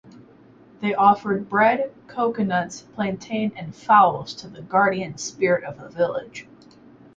They offered bread, coconuts, plantain, and fowls to the guardian spirit of the village.